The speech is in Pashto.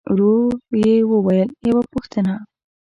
ورو يې وويل: يوه پوښتنه!